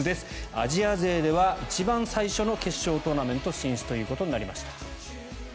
アジア勢では一番最初の決勝トーナメント進出ということになりました。